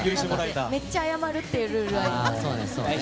めっちゃ謝るっていうルールはあります。